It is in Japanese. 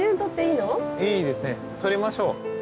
いいですねとりましょう。